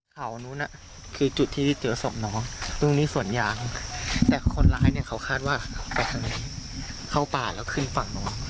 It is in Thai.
เขานู้นคือจุดที่เจอศพน้องตรงนี้สวนยางแต่คนร้ายเนี่ยเขาคาดว่าไปทางนี้เข้าป่าแล้วขึ้นฝั่งน้อง